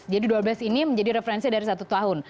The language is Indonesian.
dua belas ini menjadi referensi dari satu tahun